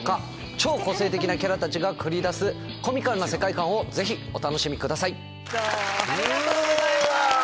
超個性的なキャラたちが繰り出すコミカルな世界観をぜひお楽しみください。